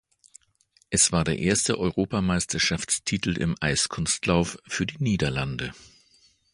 Es war der erste Europameisterschaftstitel im Eiskunstlauf für die Niederlande.